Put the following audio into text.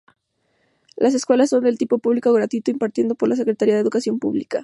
Las escuelas son del tipo publico gratuito impartido por la Secretaria de educación publica.